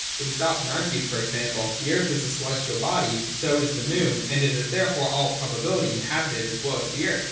It is often argued, for example : The earth is a celestial body, so is the moon, and it is therefore in all probability inhabited as well as the earth.